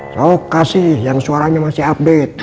saya kasih yang suaranya masih update